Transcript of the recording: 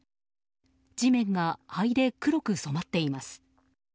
地面が灰で黒く染まっています。